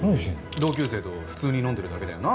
同級生と普通に飲んでるだけだよな？